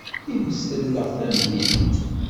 Times telleɣ tamdint.